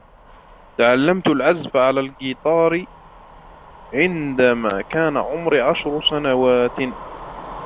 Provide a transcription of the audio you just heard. تعلمت العزف على الغيتار عندما كان عمري عشر سنوات.